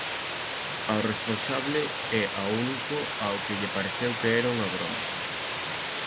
Ao responsable é ao único ao que lle pareceu que era unha broma.